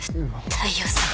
大陽さま！